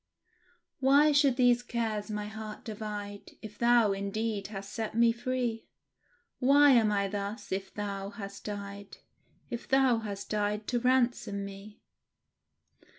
"Why should these cares my heart divide, If Thou, indeed, hast set me free? Why am I thus, if Thou hast died If Thou hast died to ransom me?"